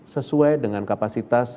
sesuai dengan kapasitas